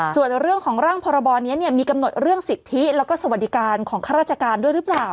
ส่วนเรื่องของร่างพรบนี้มีกำหนดเรื่องสิทธิแล้วก็สวัสดิการของข้าราชการด้วยหรือเปล่า